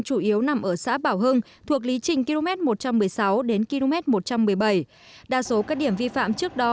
chủ yếu nằm ở xã bảo hưng thuộc lý trình km một trăm một mươi sáu đến km một trăm một mươi bảy đa số các điểm vi phạm trước đó